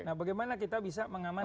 nah bagaimana kita bisa mengamankan